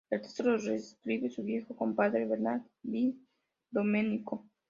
El texto lo reescribe su viejo compadre Bernard Di Domenico.